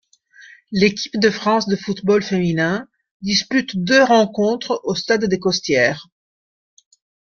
L'équipe de France de football féminin dispute deux rencontres au stade des Costières.